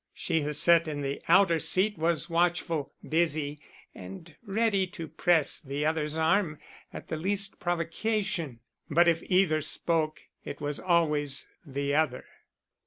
She who sat in the outer seat was watchful, busy, and ready to press the other's arm at the least provocation, but if either spoke it was always the other.